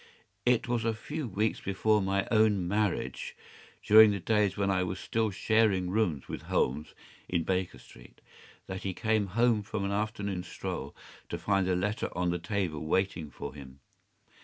It was a few weeks before my own marriage, during the days when I was still sharing rooms with Holmes in Baker Street, that he came home from an afternoon stroll to find a letter on the table waiting for him.